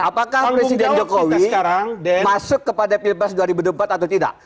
apakah presiden jokowi sekarang masuk kepada pilpres dua ribu dua puluh empat atau tidak